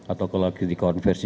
atau kalau kita konversi